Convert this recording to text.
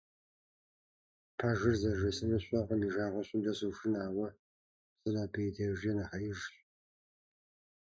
Пэжыр зэрыжесӏэнур сщӀэркъым, и жагъуэ сщӀынкӀэ сошынэ, ауэ пцӀыр абы и дежкӏэ нэхъ Ӏеижщ.